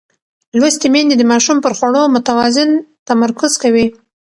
لوستې میندې د ماشوم پر خوړو متوازن تمرکز کوي.